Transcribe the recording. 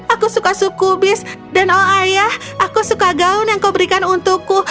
aku suka suku bis dan oh ayah aku suka gaun yang kau berikan untukku